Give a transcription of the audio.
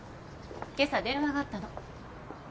今朝電話があったの。